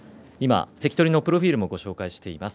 関取のプロフィールもご紹介しています。